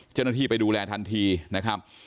เจ้าหน้าที่ไปดูแลทันทีนะครับ